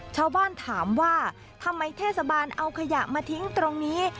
ชาวบ้านถามว่าทำไมเทศบาลเอาขยะมาทิ้งตรงนี้